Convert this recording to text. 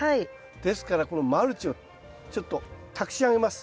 ですからこのマルチをちょっとたくし上げます。